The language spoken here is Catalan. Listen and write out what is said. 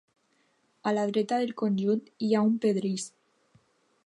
A la dreta del conjunt hi ha un pedrís.